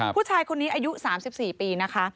ผู้ชายคนนี้อายุ๓๔ปีนะคะ